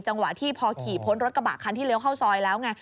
จังหวะที่พอขี่พ้นรถกระบะคันที่เลี้ยวเข้าซอยแล้วไง